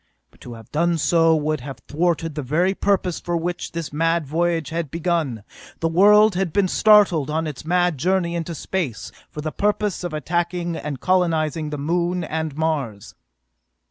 But to have done so would have thwarted the very purpose for which this mad voyage had been begun. The world had been started on its mad journey into space for the purpose of attacking and colonizing the Moon and Mars.